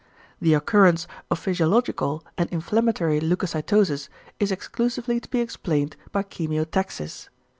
The occurrence of physiological and inflammatory leucocytosis is exclusively to be explained by chemiotaxis.